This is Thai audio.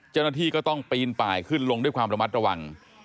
เจ้าหน้าที่ก็ต้องปีนป่ายขึ้นลงด้วยความระมัดระวัง